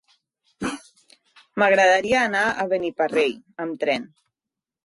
M'agradaria anar a Beniparrell amb tren.